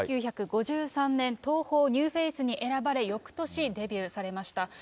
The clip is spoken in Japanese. １９５３年、東宝ニューフェイスに選ばれ、よくとしデビューされました。